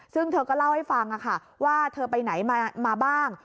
ซึ่งเธอก็เล่าให้ฟังว่าเธอไปไหนมาบ้าง